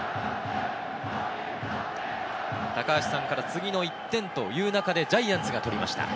高橋さんから次の１点という中でジャイアンツが取りました。